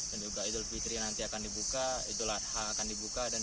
dan juga idul fitri nanti akan dibuka idul adha akan dibuka